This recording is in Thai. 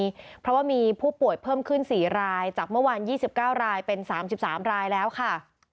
เพราะว่ามีผู้ป่วยเพิ่มขึ้น๔รายจากเมื่อวาน๒๙รายเป็น๓๓รายแล้วค่ะ